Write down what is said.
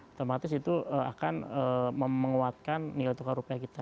otomatis itu akan menguatkan nilai tukar rupiah kita